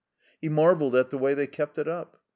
He marveled at the way they kept it up.